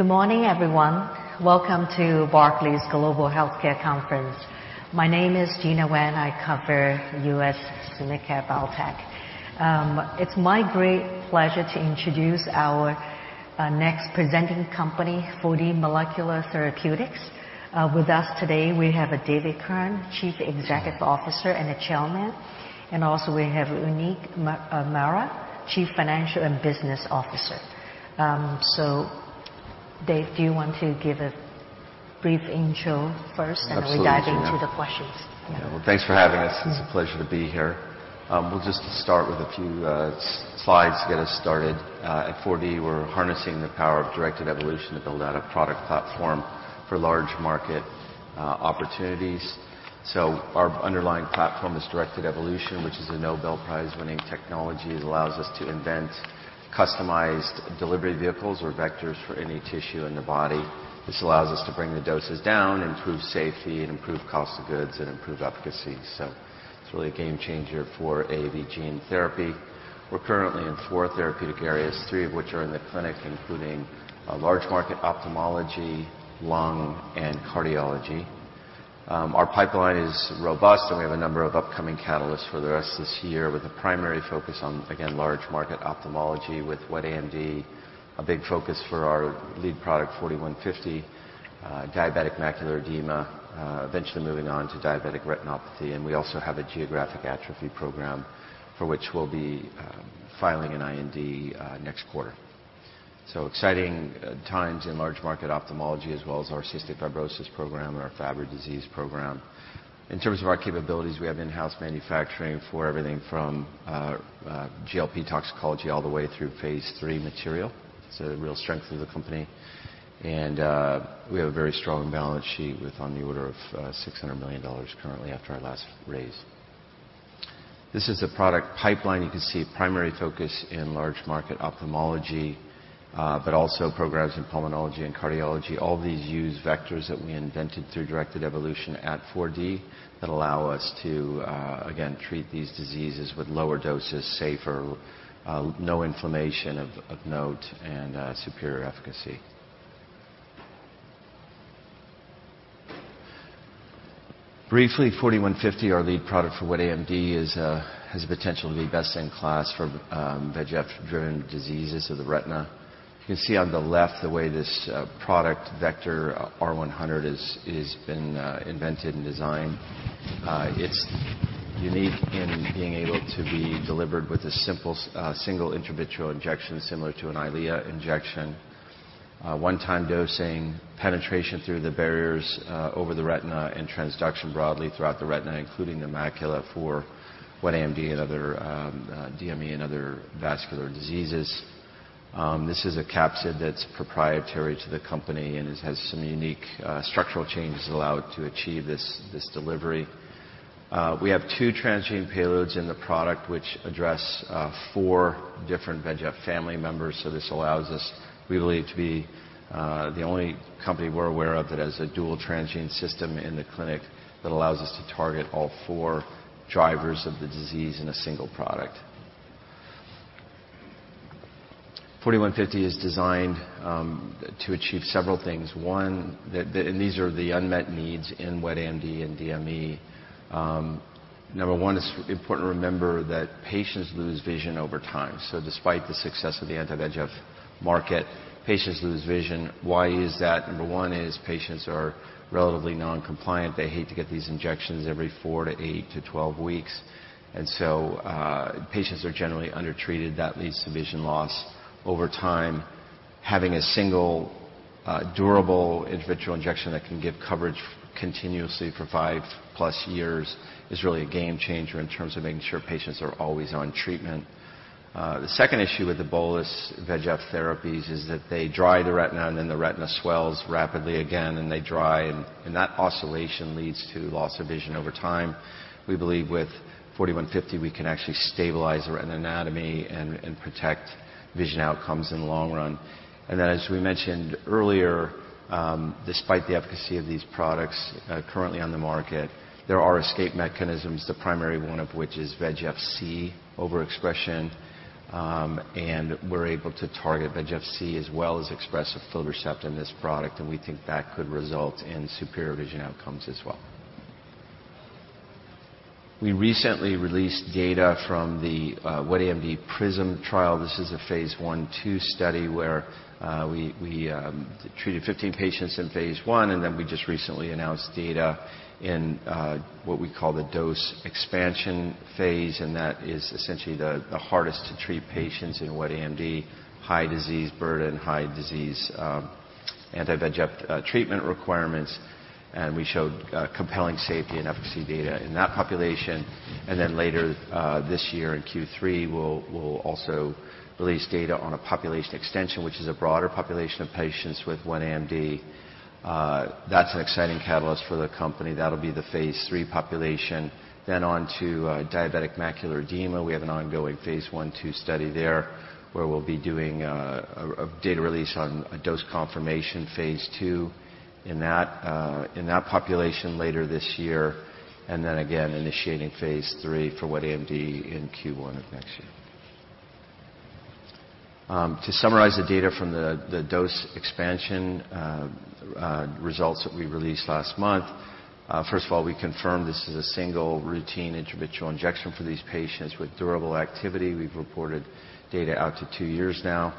Good morning, everyone. Welcome to Barclays Global Healthcare Conference. My name is Gena Wang, I cover U.S. Specialty Biotech. It's my great pleasure to introduce our next presenting company, 4D Molecular Therapeutics. With us today, we have David Kirn, Chief Executive Officer and Chairman, and also we have Uneek Mehra, Chief Financial and Business Officer. So Dave, do you want to give a brief intro first? Absolutely. And then we dive into the questions? Yeah. Well, thanks for having us. It's a pleasure to be here. We'll just start with a few slides to get us started. At 4D, we're harnessing the power of directed evolution to build out a product platform for large market opportunities. So our underlying platform is directed evolution, which is a Nobel Prize-winning technology. It allows us to invent customized delivery vehicles or vectors for any tissue in the body. This allows us to bring the doses down, improve safety, and improve cost of goods, and improve efficacy. So it's really a game changer for AAV gene therapy. We're currently in four therapeutic areas, three of which are in the clinic, including large market ophthalmology, lung, and cardiology. Our pipeline is robust, and we have a number of upcoming catalysts for the rest of this year, with a primary focus on, again, large market ophthalmology with wet AMD, a big focus for our lead product, 4D-150, diabetic macular edema, eventually moving on to diabetic retinopathy. We also have a geographic atrophy program, for which we'll be filing an IND next quarter. Exciting times in large market ophthalmology, as well as our cystic fibrosis program and our Fabry disease program. In terms of our capabilities, we have in-house manufacturing for everything from GLP toxicology all the way through phase III material. It's a real strength of the company, and we have a very strong balance sheet with on the order of $600 million currently after our last raise. This is the product pipeline. You can see a primary focus in large market ophthalmology, but also progress in pulmonology and cardiology. All these use vectors that we invented through directed evolution at 4D, that allow us to, again, treat these diseases with lower doses, safer, no inflammation of note, and superior efficacy. Briefly, 4D-150, our lead product for wet AMD, has the potential to be best in class for VEGF-driven diseases of the retina. You can see on the left the way this product, Vector R100, has been invented and designed. It's unique in being able to be delivered with a single intravitreal injection, similar to an Eylea injection. One-time dosing, penetration through the barriers over the retina, and transduction broadly throughout the retina, including the macula for wet AMD and other DME and other vascular diseases. This is a capsid that's proprietary to the company, and it has some unique structural changes that allow it to achieve this delivery. We have two transgene payloads in the product, which address four different VEGF family members. So this allows us, we believe, to be the only company we're aware of that has a dual transgene system in the clinic that allows us to target all four drivers of the disease in a single product. 4D-150 is designed to achieve several things. One, and these are the unmet needs in wet AMD and DME. Number one, it's important to remember that patients lose vision over time. So despite the success of the anti-VEGF market, patients lose vision. Why is that? Number one is patients are relatively non-compliant. They hate to get these injections every 4 to 8 to 12 weeks, and so, patients are generally undertreated. That leads to vision loss over time. Having a single, durable intravitreal injection that can give coverage continuously for 5+ years is really a game changer in terms of making sure patients are always on treatment. The second issue with the bolus VEGF therapies is that they dry the retina, and then the retina swells rapidly again, and they dry, and that oscillation leads to loss of vision over time. We believe with 4D-150, we can actually stabilize the retina anatomy and protect vision outcomes in the long run. As we mentioned earlier, despite the efficacy of these products currently on the market, there are escape mechanisms, the primary one of which is VEGF-C overexpression, and we're able to target VEGF-C as well as express aflibercept in this product, and we think that could result in superior vision outcomes as well. We recently released data from the wet AMD PRISM trial. This is a phase I/II study, where we treated 15 patients in phase I, and then we just recently announced data in what we call the dose expansion phase, and that is essentially the hardest-to-treat patients in wet AMD, high disease burden, high disease anti-VEGF treatment requirements. We showed compelling safety and efficacy data in that population. And then later this year, in Q3, we'll also release data on a population extension, which is a broader population of patients with wet AMD. That's an exciting catalyst for the company. That'll be the phase III population. Then on to diabetic macular edema. We have an ongoing phase I/II study there, where we'll be doing a data release on a dose confirmation phase II in that population later this year, and then again, initiating phase III for wet AMD in Q1 of next year. To summarize the data from the dose expansion results that we released last month, first of all, we confirmed this is a single routine intravitreal injection for these patients with durable activity. We've reported data out to two years now.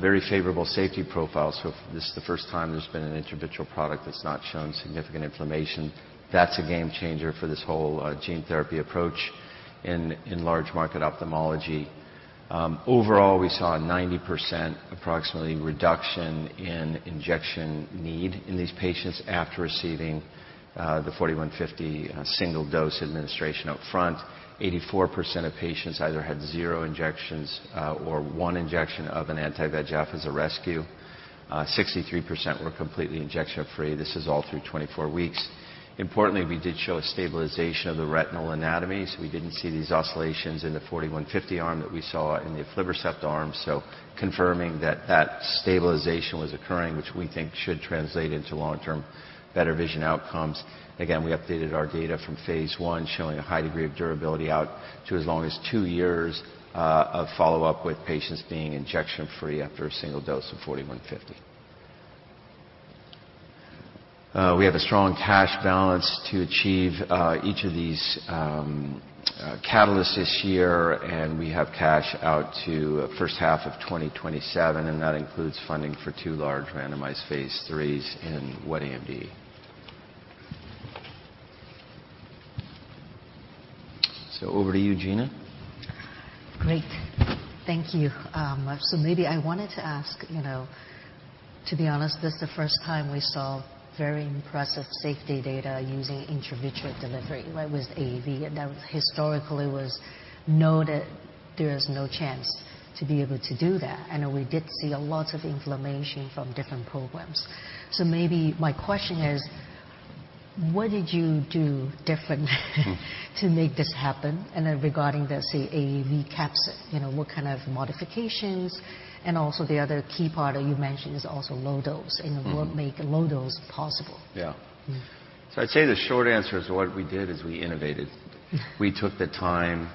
Very favorable safety profile, so this is the first time there's been an intravitreal product that's not shown significant inflammation. That's a game changer for this whole gene therapy approach in large market ophthalmology. Overall, we saw a 90%, approximately, reduction in injection need in these patients after receiving the 4D-150 single dose administration up front. 84% of patients either had zero injections or one injection of an anti-VEGF as a rescue. 63% were completely injection-free. This is all through 24 weeks. Importantly, we did show a stabilization of the retinal anatomy, so we didn't see these oscillations in the 4D-150 arm that we saw in the aflibercept arm, so confirming that that stabilization was occurring, which we think should translate into long-term better vision outcomes. Again, we updated our data from phase 1, showing a high degree of durability out to as long as two years of follow-up with patients being injection-free after a single dose of 4D-150. We have a strong cash balance to achieve each of these catalysts this year, and we have cash out to first half of 2027, and that includes funding for two large randomized phase 3s in wet AMD. So over to you, Gena. Great. Thank you. So maybe I wanted to ask, you know, to be honest, this is the first time we saw very impressive safety data using intravitreal delivery, right, with AAV. That historically was known that there is no chance to be able to do that, and we did see a lot of inflammation from different programs. So maybe my question is, what did you do differently to make this happen? And then regarding the, say, AAV capsid, you know, what kind of modifications? And also, the other key part that you mentioned is also low dose- Mm-hmm. And what make low dose possible? Yeah. Mm-hmm. So I'd say the short answer is what we did is we innovated. We took the time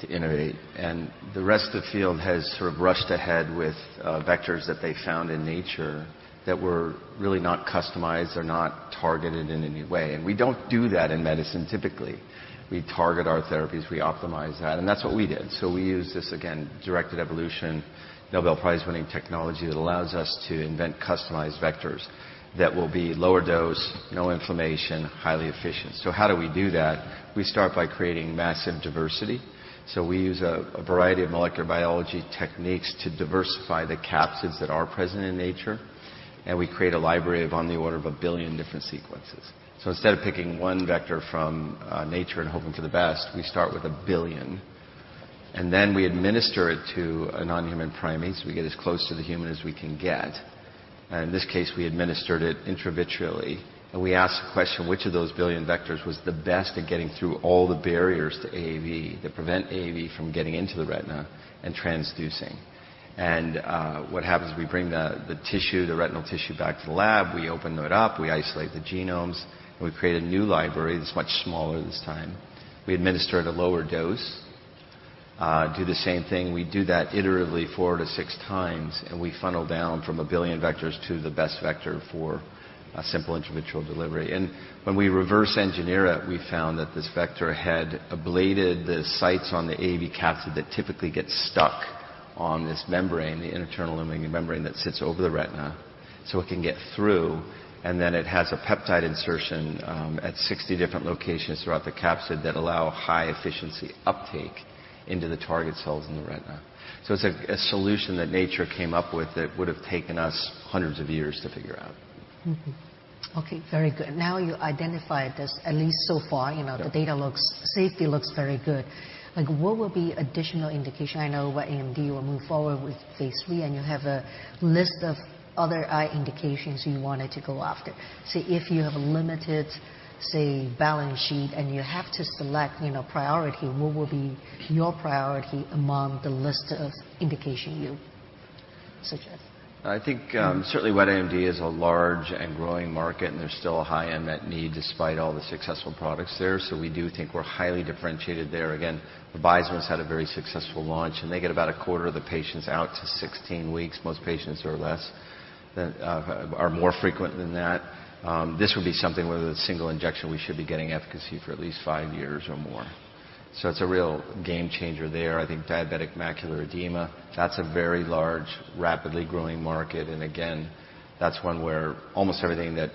to innovate, and the rest of the field has sort of rushed ahead with vectors that they found in nature that were really not customized or not targeted in any way, and we don't do that in medicine typically. We target our therapies, we optimize that, and that's what we did. So we used this, again, directed evolution, Nobel Prize-winning technology, that allows us to invent customized vectors that will be lower dose, no inflammation, highly efficient. So how do we do that? We start by creating massive diversity. So we use a variety of molecular biology techniques to diversify the capsids that are present in nature, and we create a library of on the order of 1 billion different sequences. Instead of picking one vector from nature and hoping for the best, we start with 1 billion, and then we administer it to a non-human primate, so we get as close to the human as we can get. In this case, we administered it intravitreally, and we asked the question: Which of those 1 billion vectors was the best at getting through all the barriers to AAV that prevent AAV from getting into the retina and transducing? What happens is we bring the retinal tissue back to the lab, we open it up, we isolate the genomes, and we create a new library that's much smaller this time. We administer at a lower dose do the same thing. We do that iteratively 4-6 times, and we funnel down from a billion vectors to the best vector for a simple intravitreal delivery. And when we reverse engineer it, we found that this vector had ablated the sites on the AAV capsid that typically get stuck on this membrane, the internal limiting membrane, that sits over the retina, so it can get through, and then it has a peptide insertion at 60 different locations throughout the capsid that allow high efficiency uptake into the target cells in the retina. So it's a solution that nature came up with that would've taken us hundreds of years to figure out. Mm-hmm. Okay, very good. Now, you identified this, at least so far- Yeah. You know, the data looks... safety looks very good. Like, what will be additional indication? I know wet AMD will move forward with phase 3, and you have a list of other eye indications you wanted to go after. So if you have a limited, say, balance sheet, and you have to select, you know, priority, what will be your priority among the list of indication you suggest? I think, certainly wet AMD is a large and growing market, and there's still a high unmet need, despite all the successful products there, so we do think we're highly differentiated there. Again, Vabysmo's had a very successful launch, and they get about a quarter of the patients out to 16 weeks. Most patients are less than, are more frequent than that. This would be something, with a single injection, we should be getting efficacy for at least 5 years or more. So it's a real game changer there. I think diabetic macular edema, that's a very large, rapidly growing market, and again, that's one where almost everything that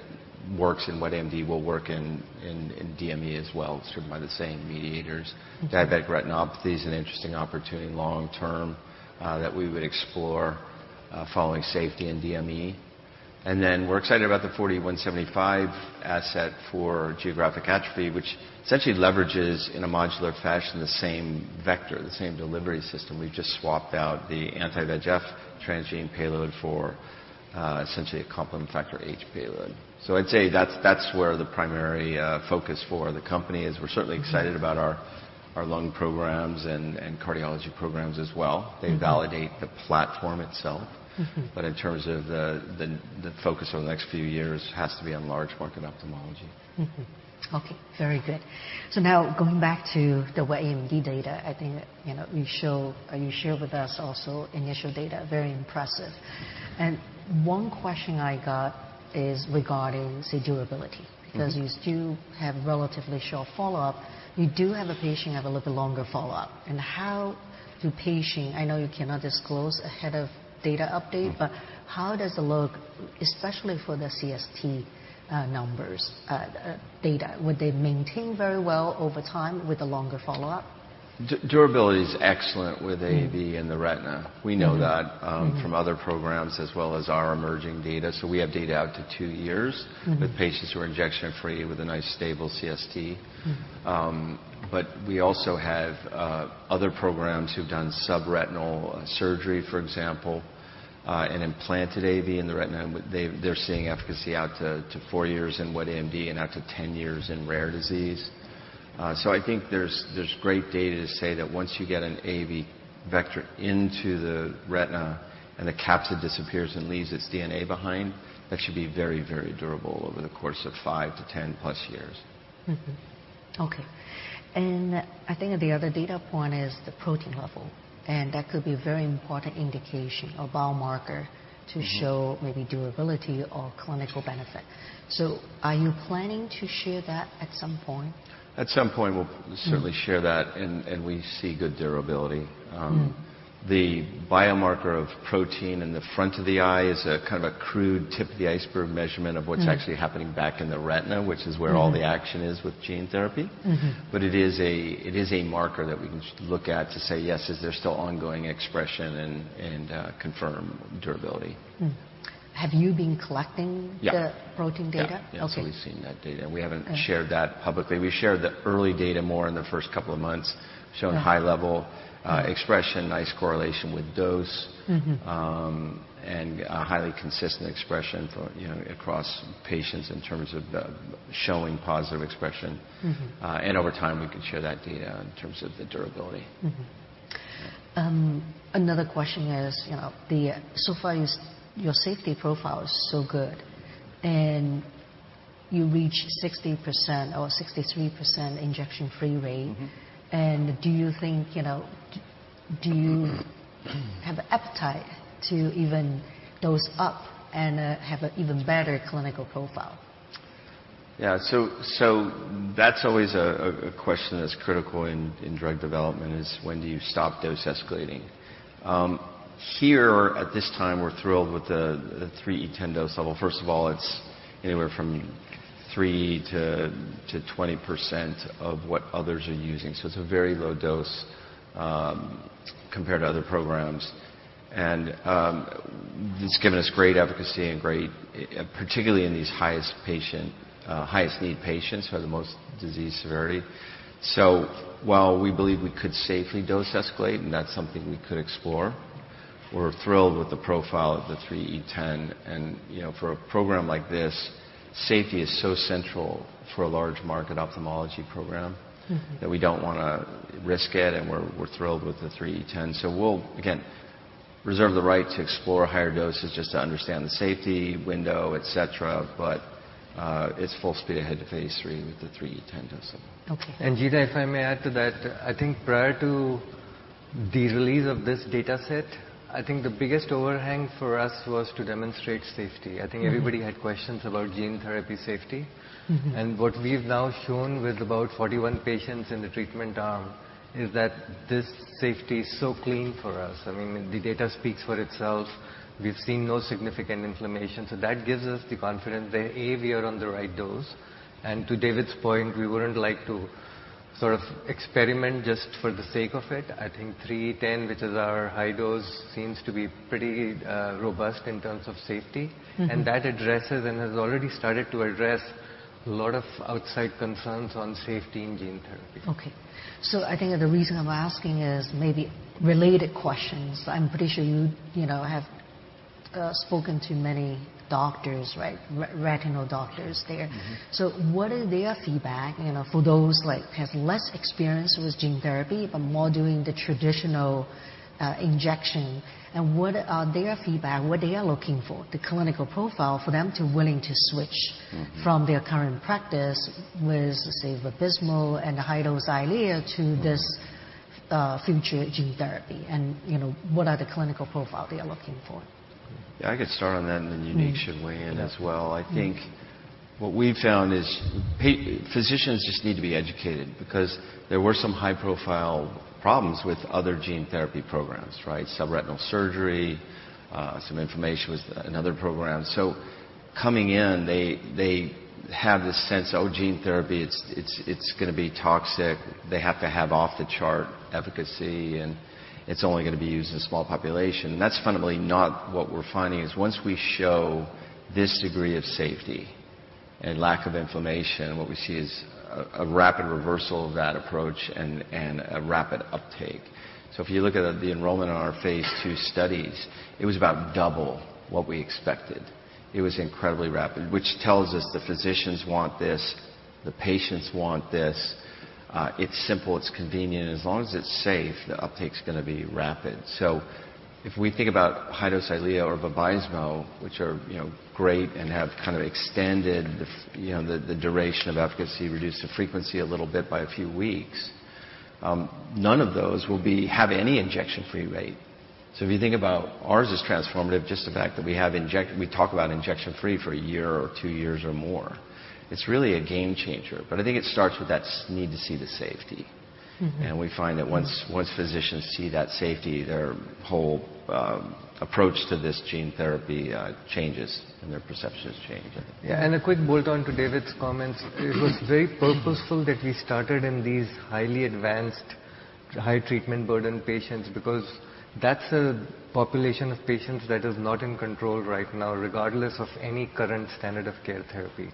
works in wet AMD will work in DME as well, served by the same mediators. Mm-hmm. Diabetic retinopathy is an interesting opportunity long term, that we would explore, following safety in DME. And then we're excited about the 4D-175 asset for geographic atrophy, which essentially leverages, in a modular fashion, the same vector, the same delivery system. We've just swapped out the anti-VEGF transgene payload for, essentially a complement factor H payload. So I'd say that's, that's where the primary, focus for the company is. Mm-hmm. We're certainly excited about our lung programs and cardiology programs as well. Mm-hmm. They validate the platform itself. Mm-hmm. But in terms of the focus over the next few years has to be on large market ophthalmology. Mm-hmm. Okay, very good. So now going back to the wet AMD data, I think, you know, you shared with us also initial data, very impressive. And one question I got is regarding, say, durability. Mm-hmm. Because you still have relatively short follow-up. You do have a patient have a little bit longer follow-up, and how do patient—I know you cannot disclose ahead of data update- Mm. How does it look, especially for the CST numbers, data? Would they maintain very well over time with a longer follow-up? Durability is excellent with AAV in the retina. Mm-hmm. We know that- Mm-hmm From other programs as well as our emerging data. So we have data out to two years- Mm. -with patients who are injection-free with a nice, stable CST. Mm. But we also have other programs who've done subretinal surgery, for example, and implanted AAV in the retina, and they, they're seeing efficacy out to 4 years in wet AMD and out to 10 years in rare disease. So I think there's great data to say that once you get an AAV vector into the retina and the capsid disappears and leaves its DNA behind, that should be very, very durable over the course of 5-10+ years. Mm-hmm. Okay. And I think the other data point is the protein level, and that could be a very important indication or biomarker. Mm-hmm To show maybe durability or clinical benefit. So are you planning to share that at some point? At some point, we'll certainly share that- Mm And we see good durability. Mm. The biomarker of protein in the front of the eye is a kind of a crude tip-of-the-iceberg measurement of- Mm What's actually happening back in the retina, which is where- Mm-hmm All the action is with gene therapy. Mm-hmm. But it is a, it is a marker that we can look at to say, "Yes, is there still ongoing expression?" And confirm durability. Have you been collecting- Yeah The protein data? Yeah. Okay. Yeah, so we've seen that data, and we haven't- Okay Shared that publicly. We shared the early data more in the first couple of months- Uh-huh Showing high level expression, nice correlation with dose. Mm-hmm. A highly consistent expression for, you know, across patients in terms of the showing positive expression. Mm-hmm. Over time, we can share that data in terms of the durability. Mm-hmm. Another question is, you know, the so far, your safety profile is so good, and you reached 60% or 63% injection-free rate. Mm-hmm. Do you think, you know, do you have the appetite to even dose up and have an even better clinical profile? Yeah, so that's always a question that's critical in drug development, is when do you stop dose escalating? Here, at this time, we're thrilled with the 3E10 dose level. First of all, it's anywhere from 3%-20% of what others are using, so it's a very low dose compared to other programs. And it's given us great efficacy and great particularly in these highest patient highest-need patients who have the most disease severity. So while we believe we could safely dose escalate, and that's something we could explore, we're thrilled with the profile of the 3E10. And, you know, for a program like this, safety is so central for a large market ophthalmology program- Mm-hmm That we don't wanna risk it, and we're, we're thrilled with the 3E10. So we'll, again, reserve the right to explore higher doses just to understand the safety window, et cetera, but it's full speed ahead to phase 3 with the 3E10 dose level. Okay. Gena, if I may add to that, I think prior to the release of this dataset, I think the biggest overhang for us was to demonstrate safety. Mm-hmm. I think everybody had questions about gene therapy safety. Mm-hmm. What we've now shown with about 41 patients in the treatment arm is that this safety is so clean for us. I mean, the data speaks for itself. We've seen no significant inflammation, so that gives us the confidence that, A, we are on the right dose, and to David's point, we wouldn't like to sort of experiment just for the sake of it. I think 3E10, which is our high dose, seems to be pretty robust in terms of safety. Mm-hmm. That addresses and has already started to address a lot of outside concerns on safety in gene therapy. Okay. So I think the reason I'm asking is maybe related questions. I'm pretty sure you, you know, have spoken to many doctors, right? Retinal doctors there. Mm-hmm. So what is their feedback, you know, for those, like, have less experience with gene therapy but more doing the traditional injection? And what are their feedback, what they are looking for, the clinical profile for them to willing to switch- Mm-hmm From their current practice with, say, Vabysmo and the high-dose Eylea to this- Mm Future gene therapy? And, you know, what are the clinical profile they are looking for? Yeah, I could start on that, and then you- Mm Uneek can weigh in as well. Yeah. I think what we've found is physicians just need to be educated because there were some high-profile problems with other gene therapy programs, right? Some retinal surgery, some inflammation with another program. So coming in, they, they have this sense, "Oh, gene therapy, it's, it's, it's gonna be toxic. They have to have off-the-chart efficacy, and it's only gonna be used in a small population." And that's fundamentally not what we're finding, is once we show this degree of safety and lack of inflammation, what we see is a rapid reversal of that approach and, and a rapid uptake. So if you look at the enrollment on our phase II studies, it was about double what we expected. It was incredibly rapid, which tells us the physicians want this, the patients want this. It's simple, it's convenient. As long as it's safe, the uptake's gonna be rapid. So if we think about high-dose Eylea or Vabysmo, which are, you know, great and have kind of extended the, you know, the duration of efficacy, reduced the frequency a little bit by a few weeks, none of those will have any injection-free rate. So if you think about ours is transformative, just the fact that we talk about injection free for a year or two years or more, it's really a game changer. But I think it starts with the need to see the safety. Mm-hmm. We find that once physicians see that safety, their whole approach to this gene therapy changes and their perceptions change. Yeah, and a quick bolt on to David's comments. It was very purposeful that we started in these highly advanced, high treatment burden patients, because that's a population of patients that is not in control right now, regardless of any current standard of care therapy.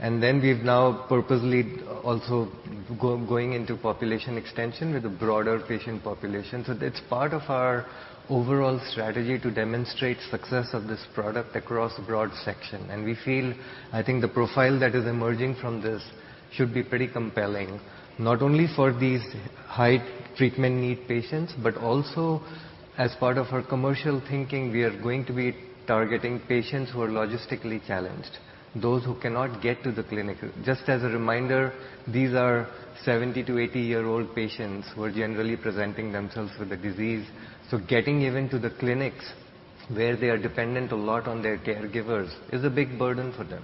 And then we've now purposely also going into population extension with a broader patient population. So it's part of our overall strategy to demonstrate success of this product across a broad section. And we feel, I think the profile that is emerging from this should be pretty compelling, not only for these high treatment need patients, but also, as part of our commercial thinking, we are going to be targeting patients who are logistically challenged, those who cannot get to the clinic. Just as a reminder, these are 70-80-year-old patients who are generally presenting themselves with the disease. Getting even to the clinics, where they are dependent a lot on their caregivers, is a big burden for them.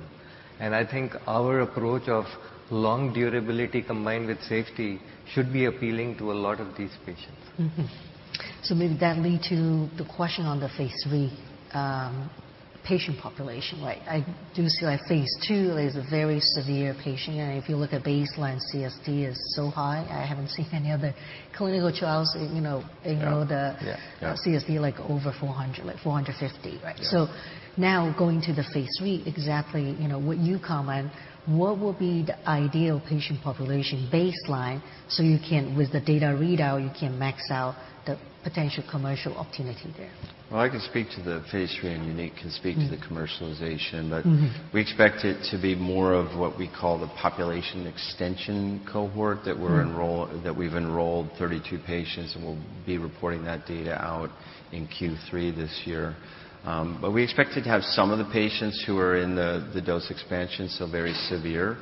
I think our approach of long durability combined with safety should be appealing to a lot of these patients. Mm-hmm. So maybe that lead to the question on the phase 3, patient population, right? I do see our phase 2 is a very severe patient, and if you look at baseline, CST is so high, I haven't seen any other clinical trials, you know, ignore the- Yeah. Yeah, yeah. CST, like, over 400, like 450, right? Yeah. So now going to the Phase III, exactly, you know, what you comment, what will be the ideal patient population baseline so you can, with the data readout, you can max out the potential commercial opportunity there? Well, I can speak to the phase 3, and Uneek can speak to the commercialization. Mm-hmm. But we expect it to be more of what we call the population extension cohort- Mm. That we've enrolled 32 patients, and we'll be reporting that data out in Q3 this year. But we expect it to have some of the patients who are in the dose expansion, so very severe,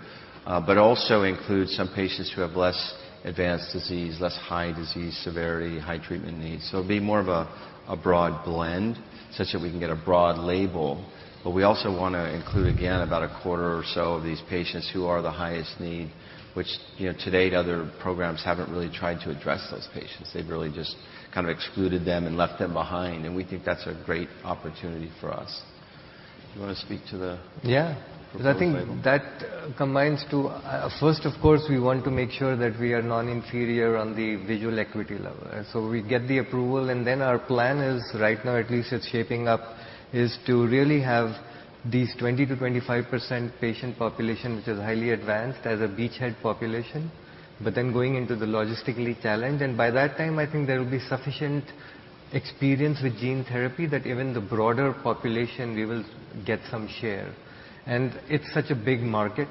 but also includes some patients who have less advanced disease, less high disease severity, high treatment needs. So it'll be more of a broad blend, such that we can get a broad label. But we also want to include, again, about a quarter or so of these patients who are the highest need, which, you know, to date, other programs haven't really tried to address those patients. They've really just kind of excluded them and left them behind, and we think that's a great opportunity for us. You want to speak to the- Yeah. Approved label? I think that combines to... First, of course, we want to make sure that we are non-inferior on the visual acuity level. So we get the approval, and then our plan is, right now, at least it's shaping up, is to really have these 20%-25% patient population, which is highly advanced, as a beachhead population, but then going into the logistically challenged. And by that time, I think there will be sufficient experience with gene therapy that even the broader population, we will get some share. And it's such a big market,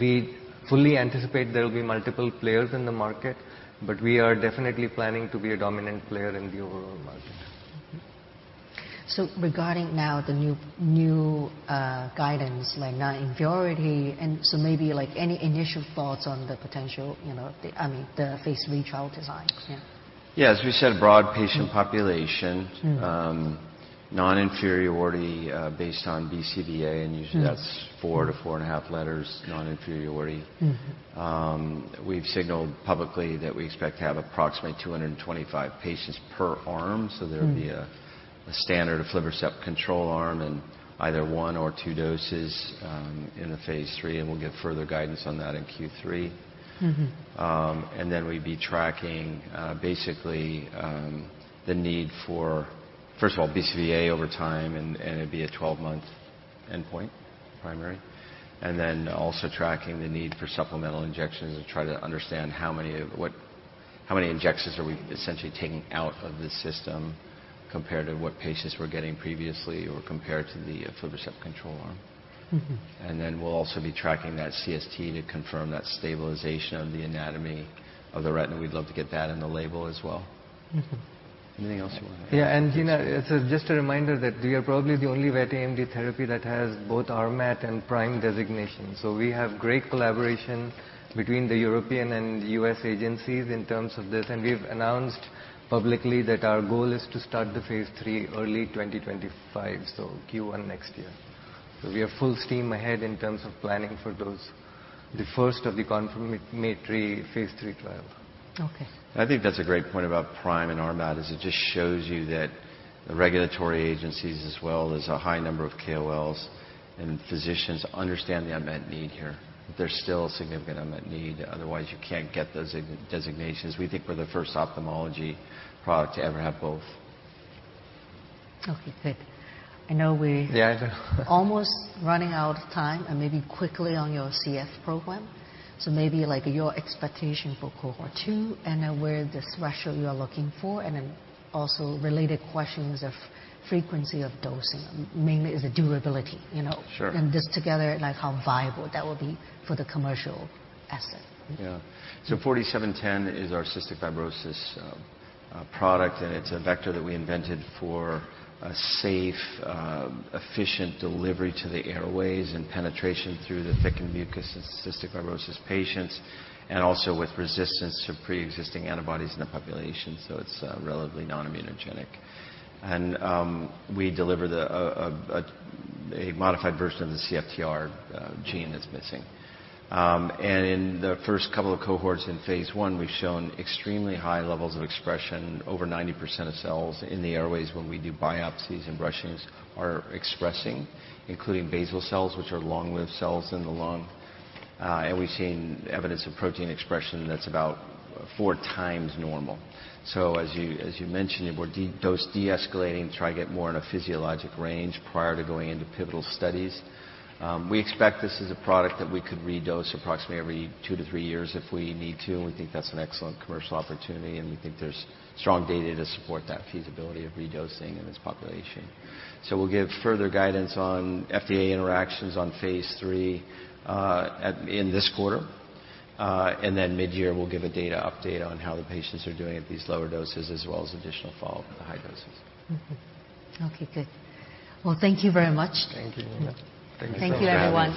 we fully anticipate there will be multiple players in the market, but we are definitely planning to be a dominant player in the overall market. Mm-hmm. So regarding now the new guidance, like, non-inferiority, and so maybe, like, any initial thoughts on the potential, you know, I mean, the phase III trial design? Yeah. Yeah, as we said, broad patient- Mm -population. Mm. Non-inferiority, based on BCVA, and usually- Mm That's 4-4.5 letters, non-inferiority. Mm-hmm. We've signaled publicly that we expect to have approximately 225 patients per arm- Mm. So there'll be a standard of aflibercept control arm and either one or two doses in the phase III, and we'll get further guidance on that in Q3. Mm-hmm. And then we'd be tracking, basically, the need for, first of all, BCVA over time, and it'd be a 12-month endpoint, primary. And then also tracking the need for supplemental injections to try to understand how many injections are we essentially taking out of the system compared to what patients were getting previously or compared to the aflibercept control arm. Mm-hmm. And then we'll also be tracking that CST to confirm that stabilization of the anatomy of the retina. We'd love to get that in the label as well. Mm-hmm. Anything else you want to add? Yeah, and, you know, it's just a reminder that we are probably the only wet AMD therapy that has both RMAT and PRIME designation. So we have great collaboration between the European and U.S. agencies in terms of this, and we've announced publicly that our goal is to start the phase 3 early 2025, so Q1 next year. So we are full steam ahead in terms of planning for those, the first of the confirmatory phase 3 trial. Okay. I think that's a great point about PRIME and RMAT, is it just shows you that the regulatory agencies, as well as a high number of KOLs and physicians, understand the unmet need here. There's still a significant unmet need, otherwise you can't get those such designations. We think we're the first ophthalmology product to ever have both. Okay, good. I know we- Yeah, Almost running out of time, and maybe quickly on your CF program. So maybe, like, your expectation for cohort two and where the threshold you are looking for, and then also related questions of frequency of dosing, mainly is the durability, you know? Sure. This together, like, how viable that will be for the commercial asset. Yeah. So 4D-710 is our cystic fibrosis product, and it's a vector that we invented for a safe, efficient delivery to the airways and penetration through the thickened mucus in cystic fibrosis patients, and also with resistance to pre-existing antibodies in the population, so it's relatively non-immunogenic. We deliver a modified version of the CFTR gene that's missing. In the first couple of cohorts in phase I, we've shown extremely high levels of expression. Over 90% of cells in the airways, when we do biopsies and brushings, are expressing, including basal cells, which are long-lived cells in the lung. We've seen evidence of protein expression that's about four times normal. As you mentioned, we're dose deescalating to try to get more in a physiologic range prior to going into pivotal studies. We expect this is a product that we could redose approximately every two to three years if we need to, and we think that's an excellent commercial opportunity, and we think there's strong data to support that feasibility of redosing in this population. So we'll give further guidance on FDA interactions on Phase III in this quarter. And then mid-year, we'll give a data update on how the patients are doing at these lower doses, as well as additional follow-up with the high doses. Mm-hmm. Okay, good. Well, thank you very much. Thank you very much. Thank you so much. Thank you, everyone.